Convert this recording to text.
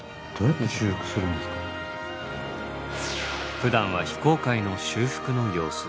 ふだんは非公開の修復の様子。